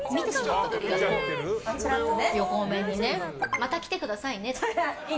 また来てくださいねって。